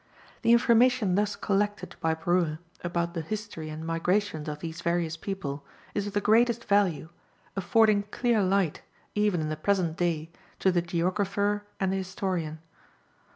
The information thus collected by Brue about the history and migrations of these various people, is of the greatest value, affording clear light, even in the present day, to the geographer and the historian.